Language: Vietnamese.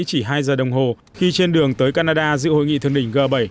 chỉ hai giờ đồng hồ khi trên đường tới canada giữ hội nghị thượng đình g bảy